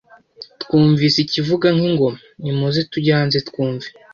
Twumvise ikivuga nk' ingoma nimuze tujye hanze twumve